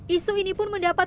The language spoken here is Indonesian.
isu ini pun mendapatkan